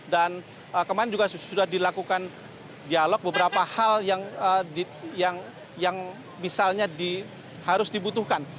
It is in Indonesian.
dan kemarin juga sudah dilakukan dialog beberapa hal yang misalnya harus dibutuhkan